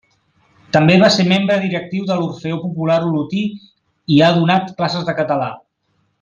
També va ser membre directiu de l'Orfeó Popular Olotí i ha donat classes de català.